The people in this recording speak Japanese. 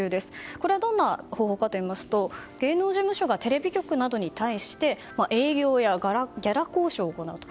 これはどんな方法かといいますと芸能事務所がテレビ局などに対して営業やギャラ交渉を行うと。